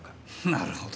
なるほど。